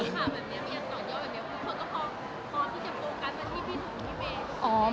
หรือเขาก็พอที่จะโปรกัสมาที่พี่สุดที่เมย์